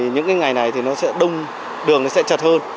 những ngày này thì đường sẽ chật hơn